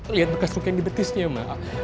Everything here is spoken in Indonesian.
lihat bekas ruka yang di betisnya ma